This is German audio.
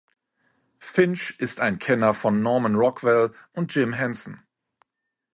Finch ist ein Kenner von Norman Rockwell und Jim Henson.